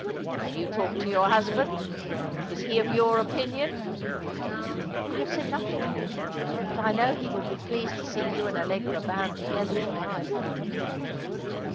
Have you talked to your husband ? Is he of your opinion ?" "I have said nothing to him; but I know he would be pleased to see you and Allegra bound together for Ufe."